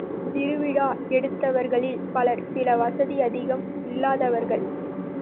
திருவிழா எடுத்தவர்களில் பலர் வசதி அதிகம் இல்லாதவர்கள்!